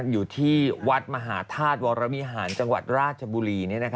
อยู่ที่วัดมหาธาตุวรวิหารจังหวัดราชบุรี